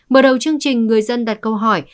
mở đầu chương trình người dân đặt câu hỏi